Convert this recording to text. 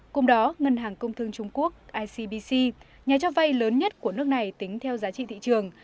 cùng đó ngân hàng công thương trung quốc icbc nhà cho vay lớn nhất của nước này tính theo giá trị thị trường